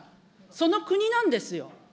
その国なんですよ。